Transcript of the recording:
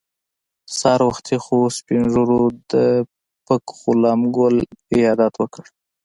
سهار وختي څو سپین ږیرو د پک غلام ګل عیادت وکړ.